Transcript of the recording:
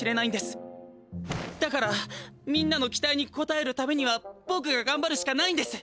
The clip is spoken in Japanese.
だからみんなの期待にこたえるためにはぼくががんばるしかないんです！